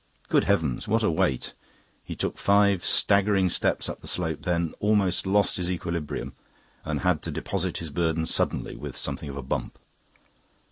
Good heavens, what a weight! He took five staggering steps up the slope, then almost lost his equilibrium, and had to deposit his burden suddenly, with something of a bump.